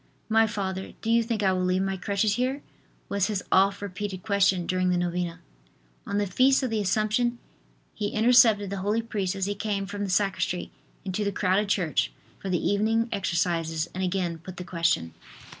"My Father, do you think I will leave my crutches here?" was his oft repeated question during the novena. On the feast of the assumption he intercepted the holy priest as he came from the sacristy into the crowded church for the evening exercises and again put the question.